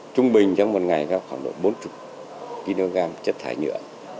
trung bình trong một ngày có khoảng độ bốn mươi kg chất thải nhựa